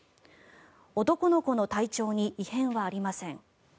男の子の体調に異変はありません。